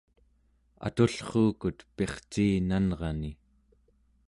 atullruukut pirciinanrani